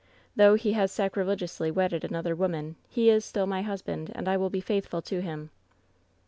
Though he has sacrilegiously wedded another woman, he is still my husband, and I will be faithful to him.'